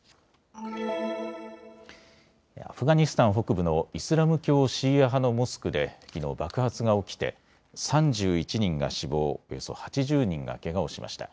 アフガニスタン北部のイスラム教シーア派のモスクできのう爆発が起きて３１人が死亡、およそ８０人がけがをしました。